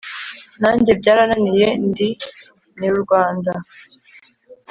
nanjye byarananiye ndi nyr’u rwanda,